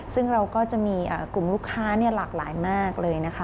ซึ่งเราก็จะมีกลุ่มลูกค้าหลากหลายมากเลยนะคะ